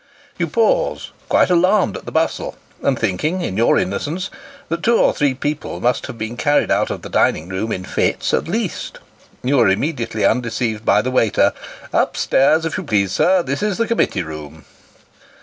You pause, quite alarmed at the bustle, and thinking, in your innocence, that two or three people must have been carried out of the dining room in fits, at least. You are immediately undeceived by the waiter "Up stairs, if you please, sir ; this is the committee room."